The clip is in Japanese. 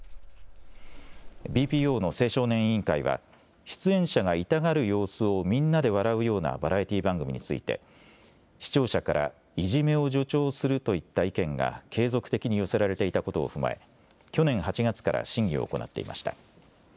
ＢＰＯの青少年委員会は出演者が痛がる様子をみんなで笑うようなバラエティー番組について視聴者からいじめを助長するといった意見が継続的に寄せられていたことを踏まえ去年８月から審議を行っていました。